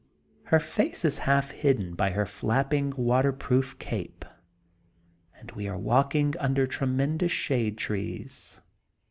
Her face is half hidden by her flapping waterproof cape and we are walking under tremendous shade trees.